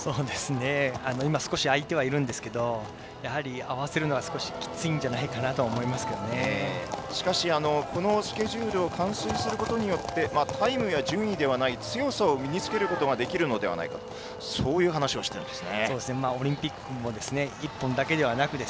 今少しはあいていますけれど合わせるのはきついんじゃないかしかしこのスケジュールをすることによってタイムや順位ではなく強さを身につけることができるのではないかという話をしていましたね。